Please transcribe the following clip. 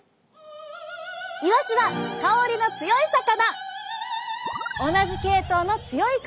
イワシは香りの強い魚！